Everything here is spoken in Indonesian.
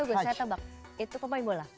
saya tebak itu pemain bola